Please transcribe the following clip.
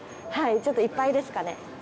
はいちょっといっぱいですかね？